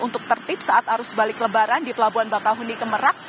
untuk tertip saat arus sebalik kelebaran di pelabuhan bakau huni kemerak